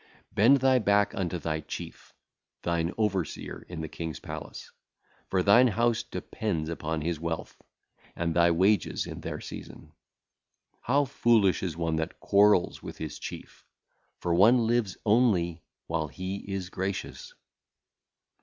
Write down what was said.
Bend thy back unto thy chief, thine overseer in the King's palace, for thine house dependeth upon his wealth, and thy wages in their season. How foolish is one that quarrelleth with his chief, for one liveth only while he is gracious....